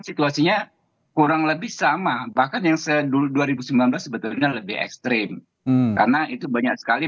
situasinya kurang lebih sama bahkan yang sedulu dua ribu sembilan belas sebetulnya lebih ekstrim karena itu banyak sekali